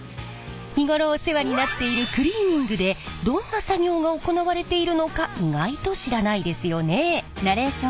日頃お世話になっているクリーニングでどんな作業が行われているのか意外と知らないですよね？